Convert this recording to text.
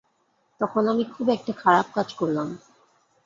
তখন আমি খুব একটা খারাপ কাজ করলাম।